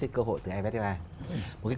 cơ hội từ fdi